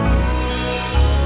barang sama keluarga